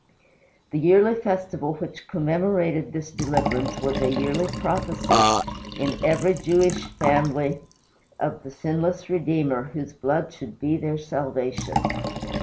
The yearly festival which commemorated this deliverance was a yearly prophecy in every Jewish family of the sinless Redeemer whose blood should be their salvation.